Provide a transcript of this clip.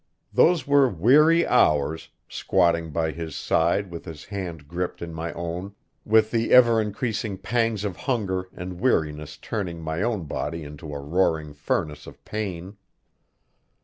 Those were weary hours, squatting by his side with his hand gripped in my own, with the ever increasing pangs of hunger and weariness turning my own body into a roaring furnace of pain.